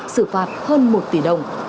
xử phạt hơn một tỷ đồng